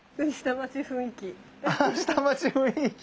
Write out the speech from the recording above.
下町雰囲気。